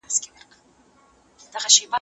هغه سړی چې دا ویډیو یې جوړه کړې لایق دی.